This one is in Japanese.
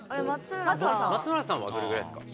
松村さんはどれぐらいですか？